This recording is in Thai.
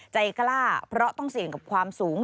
ใจกล้าเพราะต้องเสี่ยงกับความสูง